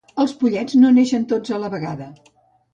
Els pollets no neixen tots a la vegada